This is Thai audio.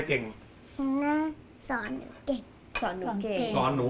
ของคุณยายถ้วน